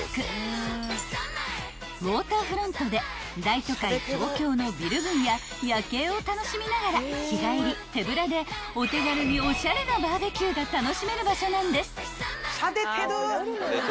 ［ウォーターフロントで大都会東京のビル群や夜景を楽しみながら日帰り手ぶらでお手軽におしゃれなバーベキューが楽しめる場所なんです］